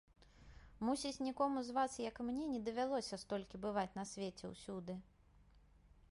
Мусіць, нікому з вас, як мне, не давялося столькі бываць на свеце ўсюды.